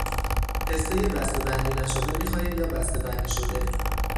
پستهی بستهبندی نشده میخواهید یا بستهبندی شده؟